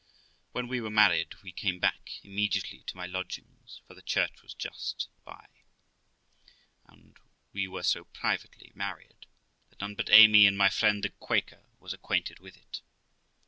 When we were married, we came back immediately to my lodgings ( for the church was but just by), and we were so privately married, that none but Amy and my friend the Quaker was acquainted with it.